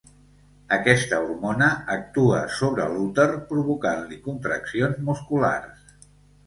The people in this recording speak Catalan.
Aquesta hormona actua sobre l'úter provocant-li contraccions musculars.